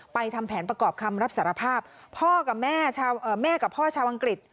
ทำแผนประกอบคำรับสารภาพพ่อกับแม่ชาวแม่กับพ่อชาวอังกฤษ